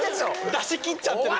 出しきっちゃってる。